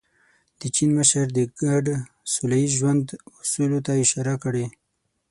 د چین مشر د ګډ سوله ییز ژوند اصولو ته اشاره کړې.